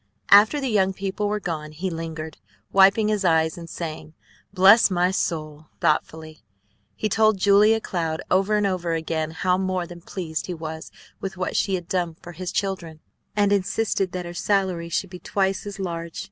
After the young people were gone he lingered, wiping his eyes, and saying, "Bless my soul!" thoughtfully. He told Julia Cloud over and over again how more than pleased he was with what she had done for his children, and insisted that her salary should be twice as large.